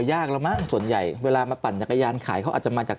ยากแล้วมั้งส่วนใหญ่เวลามาปั่นจักรยานขายเขาอาจจะมาจาก